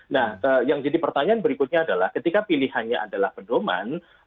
nah yang jadi pertanyaan berikutnya adalah ketika pilihannya adalah pedoman